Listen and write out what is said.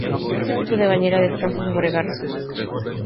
Es de tipo bañera y descansa sobre garras.